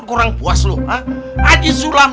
kurang puas lu ha haji sulam